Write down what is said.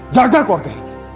jaga keluarga ini